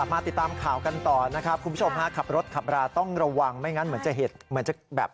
มาติดตามข่าวกันต่อนะครับคุณผู้ชมฮะขับรถขับราต้องระวังไม่งั้นเหมือนจะเห็นเหมือนจะแบบ